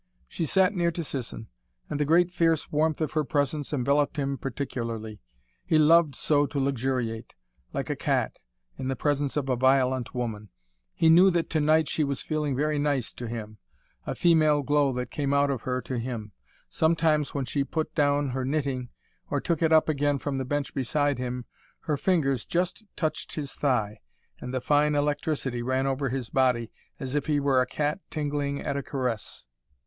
She sat near to Sisson and the great fierce warmth of her presence enveloped him particularly. He loved so to luxuriate, like a cat, in the presence of a violent woman. He knew that tonight she was feeling very nice to him a female glow that came out of her to him. Sometimes when she put down her knitting, or took it up again from the bench beside him, her fingers just touched his thigh, and the fine electricity ran over his body, as if he were a cat tingling at a caress.